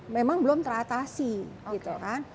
memang belum teratasi gitu kan